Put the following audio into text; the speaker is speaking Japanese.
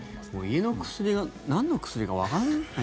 家の薬がなんの薬かわかんない。